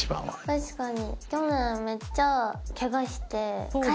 確かに。